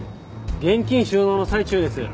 現金収納の最中です。